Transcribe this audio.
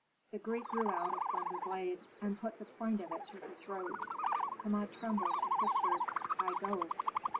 The Greek drew out a slender blade, and put the point of it to her throat. Kama trembled, and whispered, "I go."